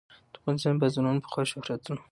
د افغانستان بازارونو پخوا شهرت درلود.